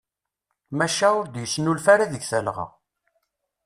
Maca ur d-yesnulfa ara deg talɣa.